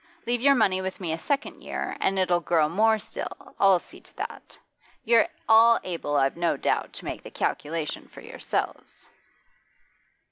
Leave your money with me a second year, and it'll grow more still, I'll see to that. You're all able, I've no doubt, to make the calculation for yourselves."